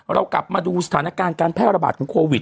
เรากลับมาดูสถานการณ์การแพร่ระบาดของโควิด